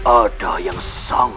ada yang sangat begitu janggal